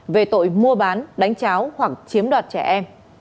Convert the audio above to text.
về tội mua bán đánh cháo hoặc chiếm đoạt trẻ em